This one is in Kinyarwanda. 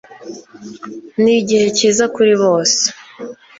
Nigihe cyiza kuri bose